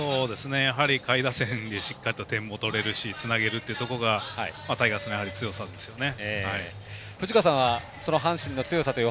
やはり下位打線しっかりと点を取れるしつなげるっていうところがタイガースの強さですよね。